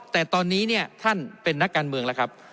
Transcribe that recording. แต่ตอนนี้เนี่ยท่านเป็นนักการเมืองแล้วครับ